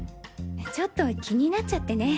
ちょっと気になっちゃってね。